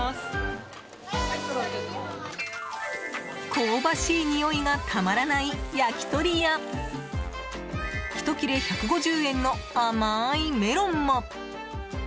香ばしいにおいがたまらない焼き鳥やひと切れ１５０円の甘いメロンも。